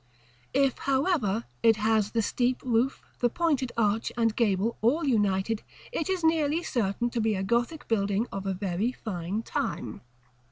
If, however, it has the steep roof, the pointed arch, and gable all united, it is nearly certain to be a Gothic building of a very fine time.